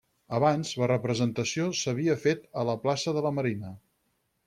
Abans, la representació s'havia fet a la plaça de la Marina.